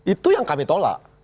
itu yang kami tolak